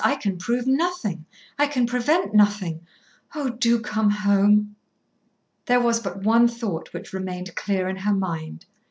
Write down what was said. I can prove nothing, I can prevent nothing. Oh! do come home." There was but one thought which remained clear in her mind.